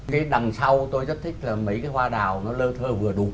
cái đằng sau tôi rất thích là mấy cái hoa đào nó lơ thơ vừa đủ